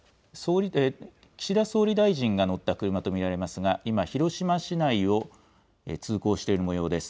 岸田総理大臣が乗った車と見られますが、今、広島市内を通行しているもようです。